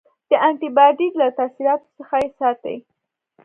د انټي باډي له تاثیراتو څخه یې ساتي.